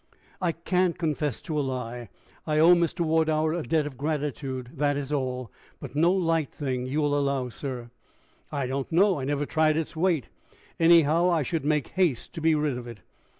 "I can't confess to a lie. I owe Mr. Wardour a debt of gratitude that is all but no light thing, you will allow, sir!" "I don't know; I never tried its weight. Anyhow, I should make haste to be rid of it."